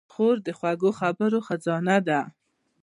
خور د خوږو خبرو خزانه ده.